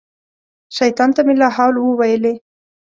شیطان ته مې لا حول وویلې.